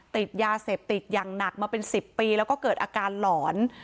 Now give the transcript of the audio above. ติดยาเสพติดอย่างหนักมาเป็น๑๐ปีแล้วก็เกิดอาการหลอน